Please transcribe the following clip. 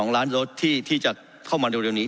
๒ล้านรถที่จะเข้ามาเร็วนี้